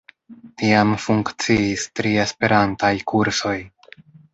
Tiam funkciis tri esperantaj kursoj.